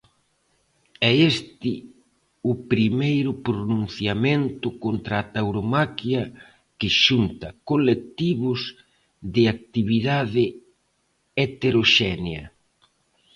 É este o primeiro pronunciamento contra a tauromaquia que xunta colectivos de actividade heteroxénea.